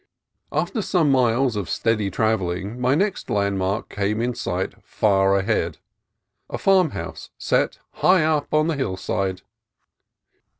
After some miles of steady travelling my next landmark came in sight far ahead, a farmhouse set high up on the hillside.